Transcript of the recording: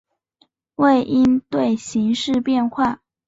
为应对形势变化